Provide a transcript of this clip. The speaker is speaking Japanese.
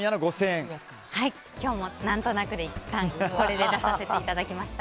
今日も何となくでいったんこれで出させていただきました。